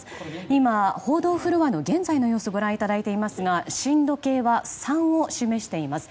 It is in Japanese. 今、報道フロアの現在の様子をご覧いただいていますが震度計は３を示しています。